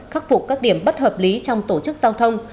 khắc phục các điểm bất hợp lý trong tổ chức giao thông